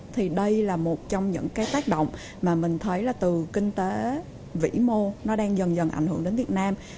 thì đây là một trong những cái tác động mà mình thấy là từ kinh tế vĩ mô nó đang dần dần ảnh hưởng đến việt nam